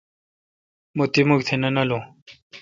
مہ تی مھک تہ نہ نالو۔